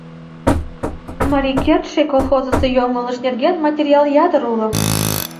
«Марий кертше» колхозысо йоҥылыш нерген материал ятыр уло.